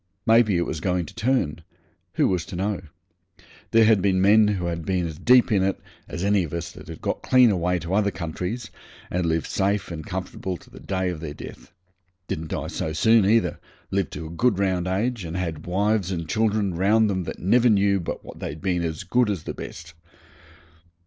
Maybe it was going to turn who was to know? There had been men who had been as deep in it as any of us that had got clean away to other countries and lived safe and comfortable to the day of their death didn't die so soon either lived to a good round age, and had wives and children round them that never knew but what they'd been as good as the best.